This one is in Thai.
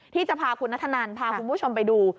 ที่จะพาคุณนัทธนันพาคุณผู้ชมไปดู